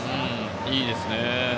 いいですね。